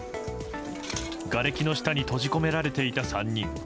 がれきの下に閉じ込められていた３人。